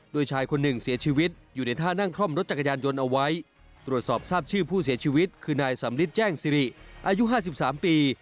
โดยชายคนหนึ่งเสียชีวิตอยู่ในท่านั่งคล่อมรถจักรยานยนต์เอาไว้ตรวจสอบทราบชื่อผู้เสียชีวิตคือนายสำลิดแจ้งสิริอายุ๕๓ปี